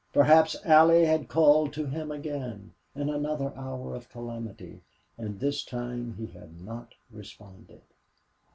Perhaps Allie had called to him again, in another hour of calamity, and this time he had not responded.